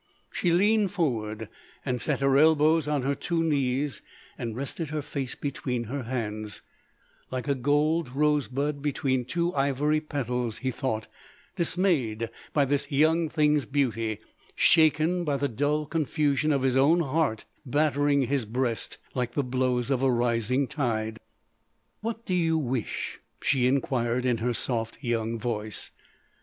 She leaned forward and set her elbows on her two knees, and rested her face between her hands—like a gold rose bud between two ivory petals, he thought, dismayed by this young thing's beauty, shaken by the dull confusion of his own heart battering his breast like the blows of a rising tide. "What do you wish?" she inquired in her soft young voice.